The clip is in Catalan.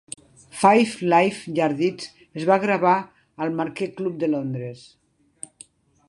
"Five Live Yardbirds" es va gravar al Marquee Club de Londres.